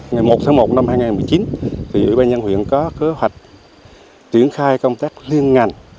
ngày một tháng một năm hai nghìn một mươi chín thì ủy ban nhân huyện có kế hoạch triển khai công tác liên ngành